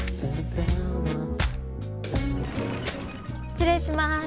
失礼します。